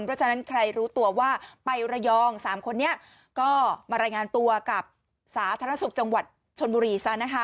เพราะฉะนั้นใครรู้ตัวว่าไประยอง๓คนนี้ก็มารายงานตัวกับสาธารณสุขจังหวัดชนบุรีซะนะคะ